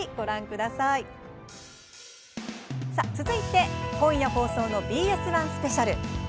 続いて、今夜放送のＢＳ１スペシャル。